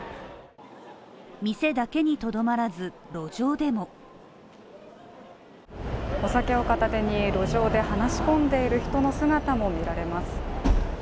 店だけにとどまらず、路上でもお酒を片手に路上で話し込んでいる人の姿も見られます。